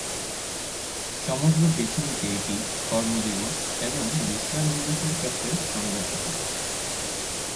সমগ্র পৃথিবীতে এটি কর্ম-দিবস এবং বিশ্রাম-দিবসের চক্রে সংগঠিত।